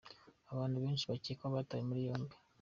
Abantu benshi bakekwa batawe muri yombi.